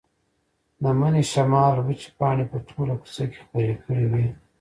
د مني شمال وچې پاڼې په ټوله کوڅه کې خپرې کړې وې.